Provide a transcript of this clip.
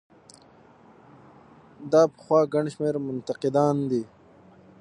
دا پخوا ګڼ شمېر منتقدان دي.